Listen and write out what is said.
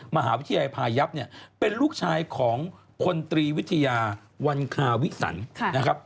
มหาวิทยาภายัพธ์เป็นลูกชายของคนตรีวิทยาวันคาวิสัน